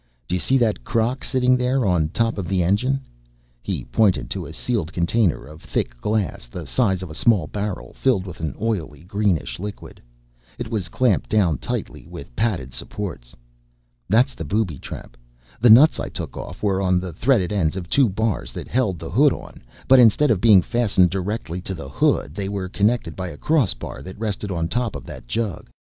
"Do you see that crock sitting there on top of the engine," he pointed to a sealed container of thick glass the size of a small barrel, filled with an oily greenish liquid; it was clamped down tightly with padded supports. "That's the booby trap. The nuts I took off were on the threaded ends of two bars that held the hood on, but instead of being fastened directly to the hood they were connected by a crossbar that rested on top of that jug.